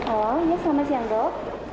oh ya selamat siang dok